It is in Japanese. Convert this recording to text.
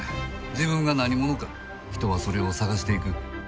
自分が何者か人はそれを探していく。